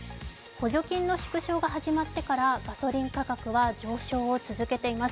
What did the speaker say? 補助金の縮小が始まってからガソリン価格は上昇を続けています。